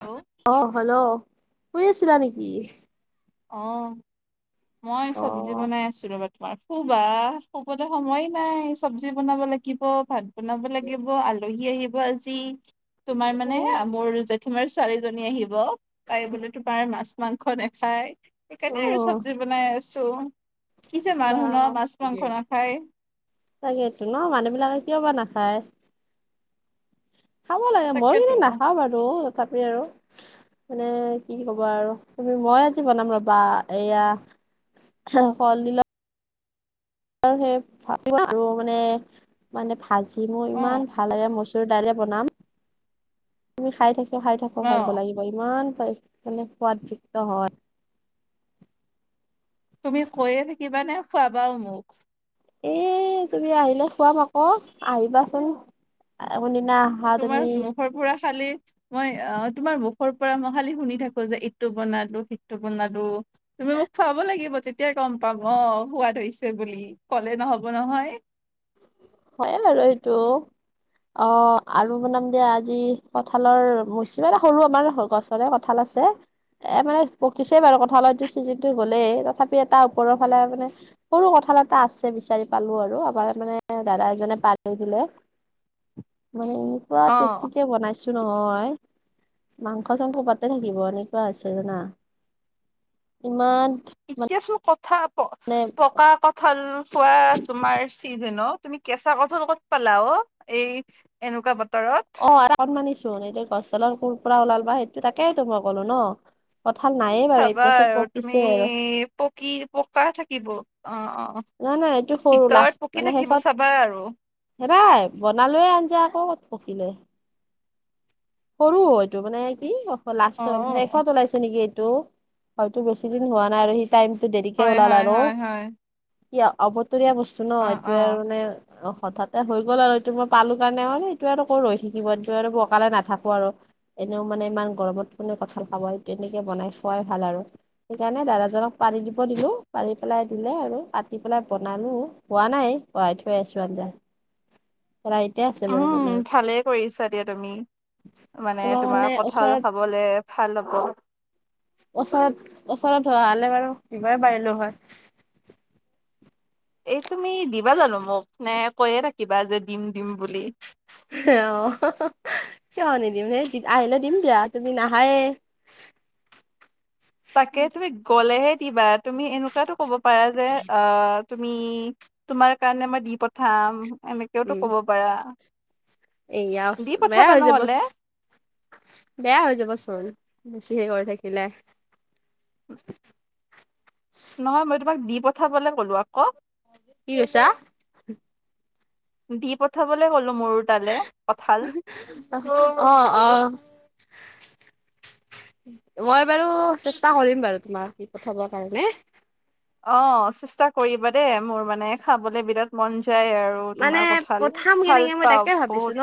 Hello অ hello, শুই আছিলা নেকি? অ, মই অ চব্জি বনাই আছোঁ ৰ'বা। [unintelligible] শুবা, শুবতে সময় নাই, চব্জি বনাব লাগিব, ভাত বনাব লাগিব, আলহী আহিব আজি, তোমাৰ মানে মোৰ জে তোমাৰ ছোৱালীজনী আহিব, তাইবোলে তোমাৰ মাছ মাংস নাখায়। অ সেইকাৰণে আৰু চব্জি বনাই আছো, কি যে বা মানুহ ন মাছ মাংস নাখায়। তকেটো ন, মানুহ বিলাকে কিয় বা নাখায়। খাব লাগে, মই তাকেতো কিন্তু নাখাওঁ বাৰু তথাপিও আৰু, মানে কি ক'ব আৰু। তুমি মই আজি বনাম ৰবা এয়া, [unintelligible] হু কলডিল সেই [unintelligible] মানে, মানে ভাজি মোৰ অ ইমান ভাল লাগে মচু দালে বনাম, তুমি খাই থাকো খাই থাকো অ হেণেকুৱা লাগে। ইমান পাই মানে সোৱাদযুক্ত হয়। তুমি কৈয়ে থাকিবা নে, ‌খুৱাবাও মোক? এ তুমি আহিলে খুৱাম আকৌ, আহিবাচোন, কোনদিনা আ তোমাৰ মুখৰ পুৰা খালি মই আ তোমাৰ মুখৰ পৰা মই খালি শুনি থাকো যে এইটো বনালো, সিটো বনালো তুমি মোক খোৱাব লাগিব তেতিয়াই গম পাম, অ সোৱাদ হৈছে বুলি, কলে নহব নহয়। হয়ে বাৰু সেইটো। অ, আৰু বনাম দিয়া আজি কঠালৰ মৌচিমাটা সৰু আমাৰ গছ ৰে কঁঠাল আছে। এ মানে পকিছেই বাৰু কঁথাালতটো [unintelligible] চিটো গ'লেই, তথাপি এটা ওপৰৰ ফালে মানে সৰু কথাল এটা আছে বিচাৰি পালো আৰু আমাৰ মানে দাদা এজনে পাৰ কৰি দিলে, মই সেই এনেকোৱা অ টেষ্টিকে বনাইছো নহয়, মাংস চাংস পাতে থাকিব, এনেকুৱা আছে জানা। ইমান এতিয়াচোন, কথা প মানে পকা ক ঠল খোৱা তোমাৰ চিজন অ, তুমি কেঁচা কঠল ক'ত পালা ও, এই এনেকুৱা বতৰত? অ [unintelligible] আৰু অকণ মানিছো এই গছডালৰ কোৰ পৰা ওলালবা, সেইটো তাকেই তো মই কলো ন। কঠাল নায়ে বাৰু চাবা এতিয়া চব আৰু তুমি পকিছে আৰু। পকি পকা থাকিব, অ-অ। নাই নাই এইটো সৰু, লাষ্ট, মানে শেষত চাবা আৰু হেৰাই, বনালোৱয়ে আনজা আকৌ, কত পখিলে। সৰু এইটো মানে কি অ লাষ্ট শেষত ওলাইছে নেকি এইটো। হয়তো বেছি দিন হোৱা নাই আৰু সি টাইমতটো দেৰিকে হয় ওলাল হয় আৰু। হয় হয় এ অবতৰীয়া বস্তু ন, অ এইটোয়ে অ আৰু মানে অ, হঠাতে হৈ গ'ল আৰু এইটো মই পালো কাৰণে অ এইটো আৰু আকৌ ৰৈ থাকিবটো আৰু বকালে নাথাক আৰু, এনেও মানে ইমান গৰমত কোনে কঁঠাল খাব, তেনেকে বনাই খোৱাই ভাল আৰু। সেইকাৰণে দাদাজনক পাৰি দিব দিলোঁ, পাৰি পেলাই দিলে আৰু, কাতি পেলাই বনালোঁ। হোৱা নাই, পঢ়াই থৈ আছো আঞ্জা, ৰা উম, ভালে কৰিছা দিয়া তুমি, মানে তোমাৰ কাৰণে কঁঠাল ওচৰত খাব লে ভাল হ'ব। ওচৰত, ওচৰত ধৰা হ'লে বাৰু দিবৰে পাৰিলো হয়। এই তুমি দিবা জানো মোক নে কৈয়ে থাকিবা যে দিম - দিম বুলি? অ, কিয় নিদিম সেই আহিলে দিম দিয়া তুমি নাহায়ে। তাকে তুমি গ'লেহে দিবা তুমি এনেকুৱাতো ক'ব পাৰা যে, অ তুমি তোমাৰ কাৰণে মই দি পঠাম এনেকেওতো কব পাৰা। এয়াও দি বেয়া পঠাবা হৈ নহলে যাবচোন। বেয়া হৈ যাব চোন বেছিহে কৰি থাকিলে। নহয় মই তোমাক দি পঠাবলে ক'লো আকৌ। কি কৈছা? দি পঠাবলৈ কলো মোৰো তালে কঠাল। অ', অ', মই বাৰু চেষ্টা কৰিম বাৰু তোমাক দি পঠাব কাৰণে। অ, চেষ্টা কৰিবা দেই মোৰ মানে খাবলে বিৰাট মন যায় আৰু। মানে তোমাৰ কঁঠাল পঠাম ভাল কেনেকে মই পাওঁ তাকে বহুত ভাবিছো ন?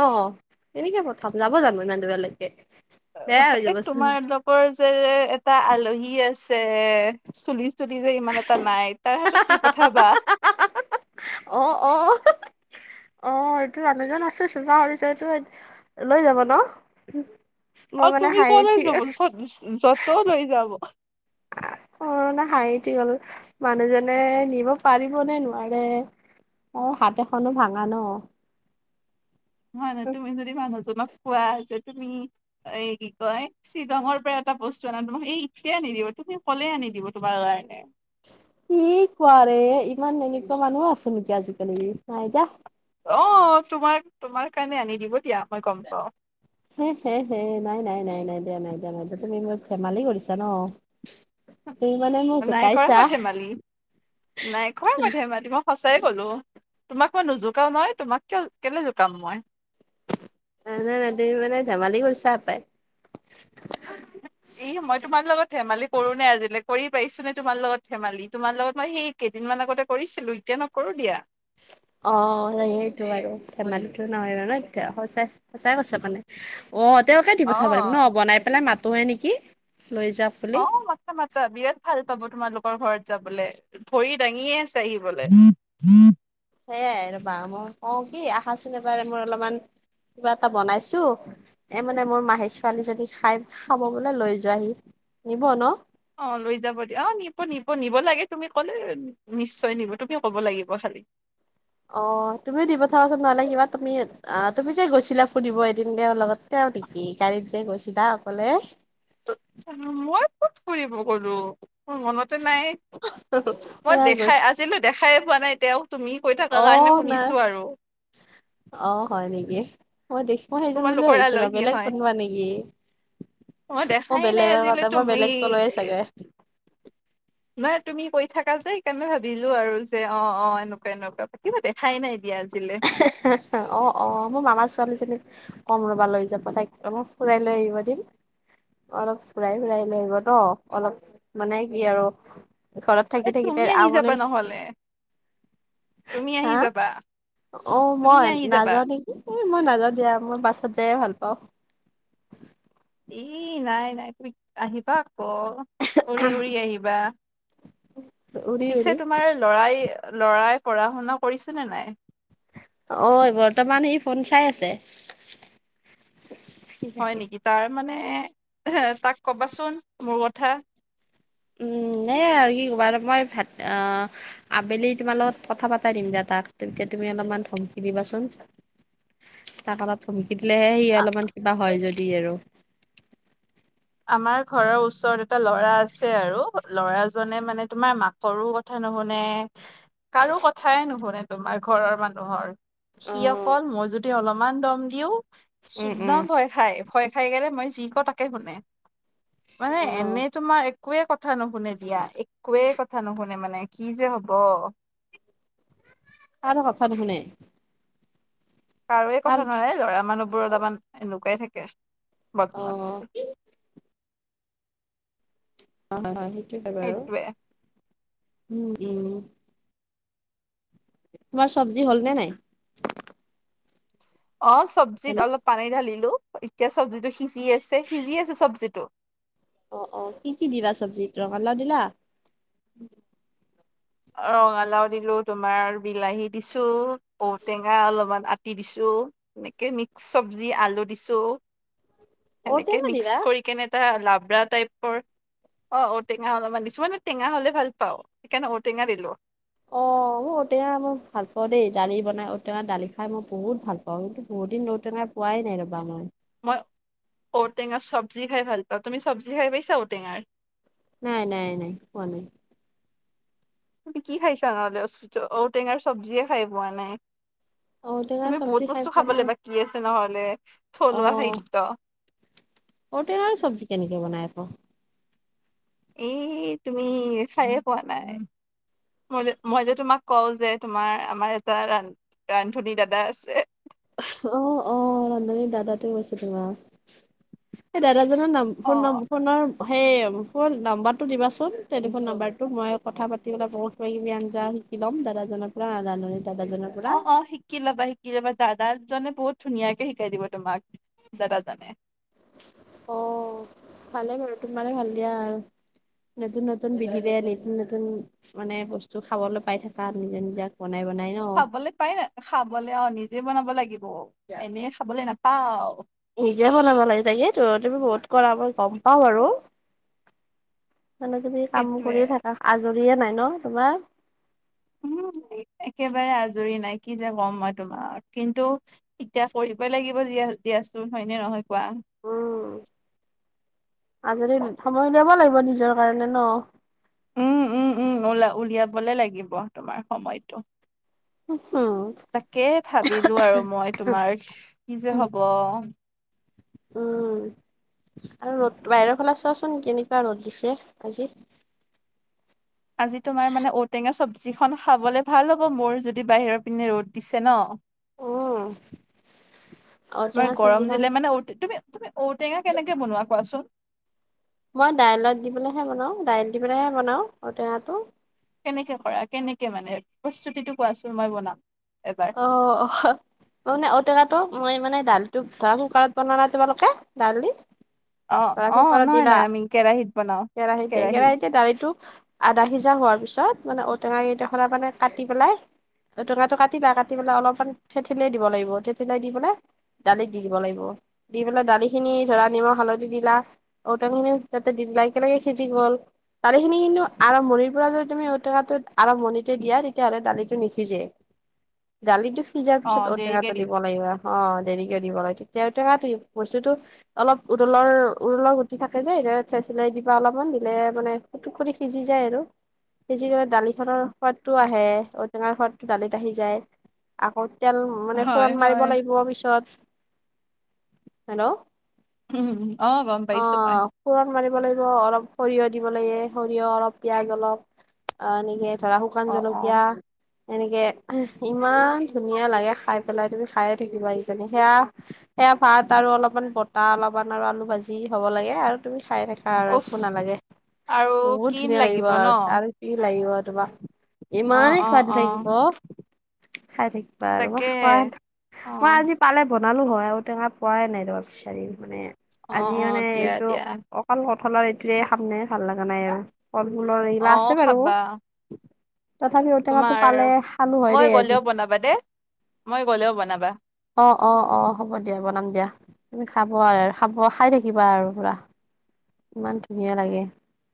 এনেকে প্ৰথম যাব জানো ইমান দুৰলৈকে। অ, এই তোমাৰালোকৰ যে এটা আলহী আছে চুলিচ চুলি যে ইমান এটা নাই তাৰ হাতত পঠাবা। অ অ অ, এইটো মানুহজন আছে চুপা কৰিছে এইটো লৈ যাব ন? মই অ, মানে তুমি হাঁহি কলৈ উঠি যাব যতও লৈ যাব। কৰণা হাঁহি উঠি গল মানুহজনে নিব পাৰিবনে নোৱাৰে? অ, হাত এখনো ভাঙা ন? হয় ন তুমি যদি মানাজো নকোৱা যে তুমি এই কি কয় শ্বিলঙৰ পৰা এটা বস্তু আনা তোমাক এই এতিয়া আ নিদিব তুমি হলেই আনি দিব তোমাৰ কাৰণে। কি কোৱাৰে ইমান এনেকুৱা মানুহ আছে নেকি আজিকালি নাই যা। অ, তোমাৰ তোমাৰ কাৰণে আনি দিব দিয়া মই গম পাও। হে- হে -হে নাই -নাই - নাই দিয়া- নাই দিয়া - নাই দিয়া তুমি মোৰ ধেমালি কৰিছা ন। তুমি মানে মোক নাই কৰা জোকাইছা মই ধেমালি - নাই কৰা মই ধেমালি মই সঁচাইে কলো অ, তোমাক মই নোজোকাও মই তোমাক কিয় কেলে জোকাম মই। ন নাই - নাই তুমি মানে ধেমালি কৰছাহ হ পাই। ই মই তোমাৰ লগত ধেমালি কৰো নে আজিলৈ কৰি পাৰিছো নে তোমাৰ লগত ধেমালি তোমাৰ লগত মই সেই কেইদিনমান আগতে কৰিছিলো এতিয়া নকৰো দিয়া। অ, সেইটো আৰু ধেমালিটো নহয় ন এ সচাই - সচাই কৈছে মানে। অ, তেওঁকে দি অ পঠাব পাৰিম ন বনাই পেলাই মাতোহে নেকি লৈ যাম। অ, মাতা - মাতা। বিৰাট ভাল পাব তোমালোকৰ ঘৰত যাবলে ভৰি দাঙিয়ে আছে আহিবলে। সেইয়াই ৰবা মই কও কি আহাচোন এবাৰে মই অলপমান কিবা এটা বনাইছো। এ, মানে মোৰ মাহী ছোৱালী যদি খাই চাব বলে লৈ যোৱাহি নিব ন। অ, লৈ যাব দিয়া অ, নিব - নিব নিব লাগে তুমি ক'লে নিশ্চয় নিব তুমি ক'ব লাগিব খালী। অ, তুমিও দি পঠাবচোন নাললে কিবা তুমি অ, তুমি যে গৈছিলা ফুৰিব দিব এদিন দে লগত তেওঁ নিকি গাড়ীত যে গৈছিলা অকলে। মই ক'ত ফুৰিব গলো মোৰ মনত টো নাই মই নাই গৈছ দেখাই আজিলৈ দেখাইে হোৱা নাই এ তেওঁ তুমি কৈ অ থকা কাৰণে নাই শুনিছো আৰু। অ, হয় নেকি মই দেখি মই সেইজন বুলিয় তোমালোকৰ ভাবিছো আলহী বেলেগ হয় কোনোবা নেকি। মই দেখাই নাই বেলেগৰ আজিলৈ মই তুমি বেলেগক কলোৱে চাগে। নাই তুমি কৈ থাকা যে সেইকাৰণে ভাবিলো আৰু যে অ', অ', এনেকুৱা এনেকুৱা দেখাই নাই দিয়া আজিলে। হা - হা অ', অ', মোৰ মামাৰ ছোৱালীজনী কম ৰবা লৈ যাব তাইক অলপ ফুৰাই লৈ আহিবা দেই। অলপ ফুৰাই - ফুৰাই লৈ আহিব ন অলপ মানে কি আৰু ঘৰত থাকি - থাকি আমনি হ'লে তুমি আহি হা যাবা অ', তুমি মই আহি যাবা। নাযাও নেকি মই নাজাও দিয়া মই বাছত যায়ে ভাল পাওঁ। এ নাই নাই তুমি আহিবা আক উৰি উৰি আহিবা। উৰি পিছে উৰি তোমাৰ লৰাই লৰাই পঢ়া শুনা কৰিছে নে নাই। অ বৰ্তমান সি ফোন চাই আছে। হয় নেকি তাৰ মানে এ তাক ক'বাচোন মোৰ কথা। উম নে আৰু কি ক'বা মই ভাত আহ। আবেলি তোমাৰ লগত কথা পাতা দিম দা তাক তেতিয়া তুমি অলপমান ধমকি দিবাচোন। তাক এ তাত ধমকি দিলেহে সি আ অলপমান কিবা হয় যদি আৰু আমাৰ ঘৰৰ ওচৰত এটা ল'ৰা আছে আৰু ল'ৰাজনে মানে তোমাৰ মাকৰো কথা নুশুনে। কাৰো কথাই নুশুনে তোমাৰ ঘৰৰ মানুহৰ। সি অ', অকল মই যুদি অলপমান দম দিও উম, উম। শিদিনাও ভয় খায়। ভয় খাই গলে মই যি ক তাকে শুনে মানে অ', এনেই তোমাৰ। একোৱে কথা নুশুনে দিয়া একোৱে কথা নুশুনে মানে কি যে হব। কাৰো কথা নুশুনে। কাৰোৱে ভাল কথা নোশুনে লৰা মানুহবোৰ অলাপমান এনেকুৱাই থাকে বদমাছ। অ', হয় হয় হয় সেইটোয়ে হয় বাৰু সেইটোৱে। উম উম। তোমাৰ চবজি হ'ল নে নাই। অ চব্জিত হেল্ল' অলপ পানী ঢালিলো এতিয়া চব্জিটো সিজি আছে সিজি আছে চব্জিটো। অ অ কি কি দিলা চব্জি ৰাঙালাও দিলা? ৰঙালাও দিলো তোমাৰ বিলাহী দিছো ঔ টেঙা অলপমান আতি দিছো। এনেকে মিক্স চব্জি আলু দিছো। সেনেকে ঔটেঙা দিলা? মিক্স কৰি কেনে এটা লাব্ৰা টাইপৰ। অ ঔটেঙা অলপমান দিছো মানে টেঙা হলে ভাল পাও সেইকাৰণে ঔটেঙা দিলোঁ। অ', ঔ টেঙা মই ভাল পাওঁ দেই দালি বনাই ঔ টেঙা দালি খাই মই বহুত ভাল পাওঁ কিন্তু বহুত দিন ঔটেঙা খোৱাই নাই ৰ'বা মই। মই ঔটেঙা চব্জি খাই ভাল পাওঁ তুমি চব্জি খাই পাইছা ঔটেঙাৰ। নাই নাই নাই খোৱা নাই। তুমি কি খাইছা নহ'লে ঔটেঙাৰ চব্জিয়ে খাই পোৱা নাই। ঔটেঙাৰ তুমি বহুত চব্জি খাই বস্তু পোৱা খাবলৈ নাই। বাকী আছে নহলে থলুৱা খাদ্য। ঔটেঙা চব্জি কেনেকে বনাই আ ক। এই তুমি খাইয়ে পোৱা নাই। মই যে মই যে তোমাক কও যে তোমাৰ আমাৰ এটা ৰা ৰান্ধনী দাদা আছে। অ, অ, ৰান্ধনীৰ দাদাতোৱে কৈছে তোমাক, সেই দাদাজনৰ নাম অ ফোন নম্বৰ ফোনৰ সেই ফোন নাম্বাৰটো দিবাচোন টেলিফোন নাম্বাৰটো মই কথা পাতিবলে কওঁ। কিবা কিবি আঞ্জা শিকি ল'ম দাদাজনৰ পৰা নাজানা দাদাজনক অ, অ, শিকি ল'বা শি শিকি লবা দাদাজনে বহুত ধুনীয়াকে শিকাই দিব তোমাক দাদাজনে। অ, ভালে বাৰু তোমাৰে ভাল দিয়া আৰু। নতুন নতুন বিধিৰে নতুন নতুন মানে বস্তু খাবলৈ পাই থাকা নিজৰ নিজা। বনাই বনাই ন। খাবলে পাই ন খাবলে অ নিজে বনাব লাগিব এনে খাবলৈ নাপাও। নিজে বনাব লাগে তাকেই তো তুমি বহুত কৰা মই গম পাও আৰু। মানে তুমি কাম সেইটোৱে কৰিয়ে থাকা আজৰিয়ে নাই ন তোমাৰ। উম, একেবাৰে আজৰি নাই কি যে ক'ম মই তোমাক কিন্তু এতিয়া কৰিবই লাগিব দিয়া দিয়াচোন হয়নে নহয় কোৱা। উম, আজৰি সময় উলিয়াব লাগিব নিজৰ কাৰণে ন। উম উম উম উলা উলিয়াবলে লাগিব তোমাৰ সময়টো। [unintelligible] তাকে ভাবিলো আৰু মই তোমাৰ কি যে উম হব। উম, আৰু ৰ'দ বাহিৰৰ ফালে চোৱাচোন কেনেকুৱা ৰ'দ দিছে আজি। আজি তোমাৰ মানে ঔ টেঙা চব্জিখন খাবলে ভাল হ'ব মোৰ যদি বাহিৰৰ পিনে ৰ'দ দিছে ন। [unintelligible] তোমাৰ ঔটেঙা গৰম চব্জিখন দিলে মানে ঔ তুমি তুমি ঔ টেঙা কেনেকে বনোৱা কোৱাচোন? মই দাইলত দিবলেহে বনাওঁ দাইল দি পেলাইহে বনাওঁ ঔ টেঙাটো। কেনেকে কৰা কেনেকে মানে প্ৰস্তুতিটো কোৱাচোন মই বনাম এবাৰ। অ অহ। মই মানে ঔ টেঙাটো মই মানে দালিটো ধৰা কুকাৰত বনানা তোমালোকে দালি। অ ধৰা অ কুকাৰত নহয় দিলা, নহয় আমি কেৰাহীত বনাও কেৰাহিতে কেৰাহী কেৰাহীতে দালিটো আধা সিজা হোৱাৰ পিছত মানে ঔ টেঙা কেইটোখৰা মানে কাটি পেলাই, ঔ টেঙাটো কাটি তিলা কাটি পেলাই অলপমান ঠেঠেলিয়াই দিব লাগিব ঠেঠেলিয়াই দি পেলাই দালিত দি দিব লাগিব দি পেলাই দালিখিনি ধৰা নিমখ হালধি দিলা। ঔ টেঙা খিনিও তাতে দি দিলা একেলগে সিজি গ'ল। দালিখিনি কিন্তু আৰম্ভণিৰ পৰা যদি তুমি ঔ টেঙাটো আৰম্ভণিতে দিয়া তেতিয়াহ'লে দালিটো নিসিজে। দালিটো সিজাৰ অ পিছত ঔ দেৰিকে টেঙাটো দিম দিব লাগিব। অ দেৰিকে দিব লাগে তেতিয়া চহা তি বস্তুটো অলপ উৰলৰ উৰলৰ গুটি থাকে যে এ ঠেঠেলিয়াই দিবা অলপমান দিলে মানে পুতুকৰি সিজি যায় আৰু সিজি গ'লে দালিখনৰ সোৱাদটো আহে ঔ টেঙাৰ সোৱাদটো দালিত আহি যায় আকৌ তেল মানে হয় ফুৰণ মাৰিব হয় লাগিব পিছত। হেল্ল' উম অ গম অ পাইছো মই। ফোৰণ মাৰিব লাগিব অলপ সৰিয়হ দিব লাগে সৰিয়হ অলপ পিয়াজ অলপ অ এনেকে। ধৰা শুকান অ অ জলকীয়া এনেকে ইমান ধুনীয়া লাগে খাই পেলাই তুমি খায়ে থাকিবা ইজানী সেয়া সেয়া ভাত আৰু অলপমান বতাহ অলপমান আৰু আলু ভাজি হ'ব লাগে আৰু তুমি খাই থাক- আৰ উফ একো নালাগে, আৰু বহুত কি ধুনীয়া লাগিব ন আৰ আৰু কি লাগিব তোমাক। অ ইমানেই অ সোৱাদ অ লাগিব, খাই থাকিবা আৰু ম তাকে খোৱাত মই অ আজি পালে বনালো হয় আৰু টেঙা পোৱাই নাই ৰ আচাৰি মানে অ আজি অ মানে দিয়া এইটো দিয়া অ- [unintelligible] এইটোৱে খামনেই ভাল লগা নাই আৰু। ফল মূলৰ এইগিলা অ আছে বাৰু, খাবা তথাপিও ঔ টেঙাটো তোমাৰ পালে। খালো হয় মই দেই আজি গলেও বনাবা দে, মই গ'লেও বনাবা। অ অ অ হ'ব দিয়া বনাম দিয়া। তুমি খাব আৰ খাব খাই থাকিবা আৰু পুৰা ইমান ধুনীয়া লাগে।